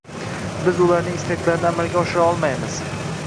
biz ularning istaklarini amalga oshira olmaymiz.